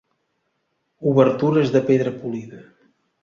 Obertures de pedra polida.